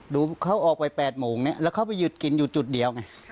เขาออกไป๘โมงเนี่ยแล้วเขาไปหยุดกินอยู่จุดเดียวไง